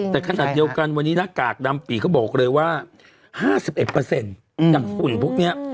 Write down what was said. แต่ขนาดเดียวกันวันนี้หน้ากากดำปีเขาบอกเลยว่า๕๑จากฝุ่นพวกนี้